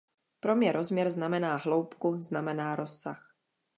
Pro mě rozměr znamená hloubku, znamená rozsah.